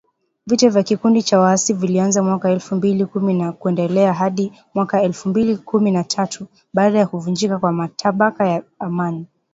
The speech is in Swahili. Vita vya kikundi cha waasi vilianza mwaka elfu mbili kumi na kuendelea hadi mwaka elfu mbili kumi na tatu, baada ya kuvunjika kwa mkataba wa amani